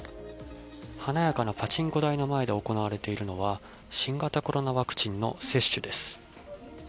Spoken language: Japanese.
華やかなパチンコ台の前で行われているのは新型コロナワクチンの接種です。